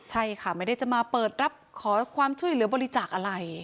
ใช่ค่ะไม่ได้จะมาเปิดรับขอความช่วยเหลือบริจาคอะไร